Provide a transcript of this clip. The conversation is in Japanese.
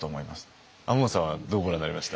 亞門さんはどうご覧になりました？